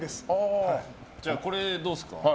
じゃあ、これどうですか。